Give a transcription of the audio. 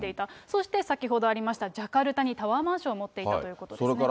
そして先ほどありました、ジャカルタにタワーマンションを持っていたということですね。